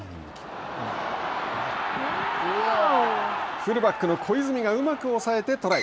フルバックの小泉がうまく抑えてトライ。